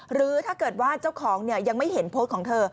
หรือถ้าเกิดว่าเจ้าของยังไม่เห็นโพสต์ของเธอ